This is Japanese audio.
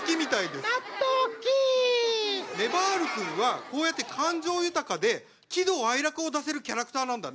ねばる君はこうやって感情豊かで喜怒哀楽を出せるキャラクターなんだね。